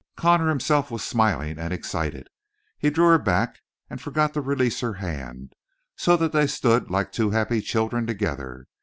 Connor himself was smiling and excited; he drew her back and forgot to release her hand, so that they stood like two happy children together.